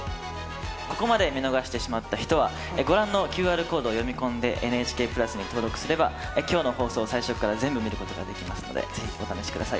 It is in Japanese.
ここまで見逃してしまった人はご覧のＱＲコードを読み込んで「ＮＨＫプラス」に登録すれば今日の放送を最初から全部見ることができますので是非お試し下さい。